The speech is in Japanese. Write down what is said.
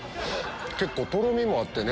結構とろみもあってね